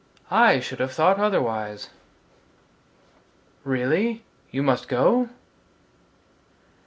I should have thought otherwise Really you must go?